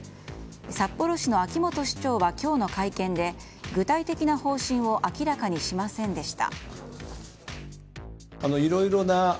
札幌市の秋元市長は今日の会見で具体的な方針を明らかにしませんでした。